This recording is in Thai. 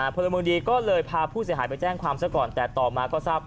พลเมืองดีก็เลยพาผู้เสียหายไปแจ้งความซะก่อนแต่ต่อมาก็ทราบ